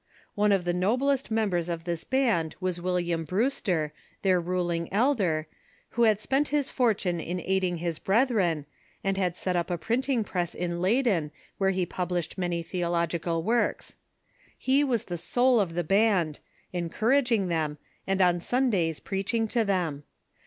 One of the noblest members of this band was William Brewster, their ruling elder, who had spent his fortune in aiding his brethren, and had set up a printing press in Leyden, where he published many theological works. He was the soul of the band, encour aging them, and on Sundays preaching to them.